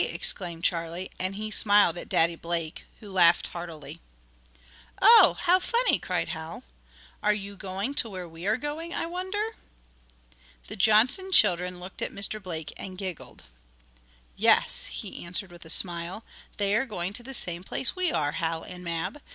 exclaimed Charlie, and he smiled at Daddy Blake, who laughed heartily. "Oh, how funny!" cried Hal. "Are you going to where we are going, I wonder?" The Johnson children looked at Mr. Blake and giggled. "Yes," he answered with a smile, "they are going to the same place we are, Hal and Mab.